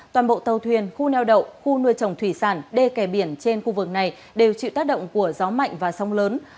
toàn bộ tàu thuyền khu neo đậu khu nuôi trồng thủy sản đê kè biển trên khu vực này đều chịu tác động của gió mạnh và sóng lớn